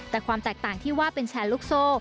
แต่ความแตกต่างที่ว่าเป็นแชร์ลูกโซ่